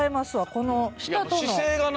この下との。